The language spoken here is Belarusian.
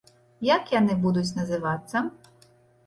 Як яны будуць называцца?